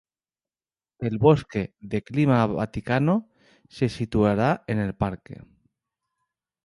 El Bosque de clima Vaticano se situará en el parque.